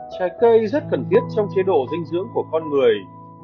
trái cây rất cần thiết trong chế độ dinh dưỡng của con người